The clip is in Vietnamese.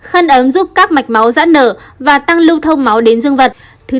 khăn ấm giúp các mạch máu giãn nở và tăng lưu thông máu đến dương vật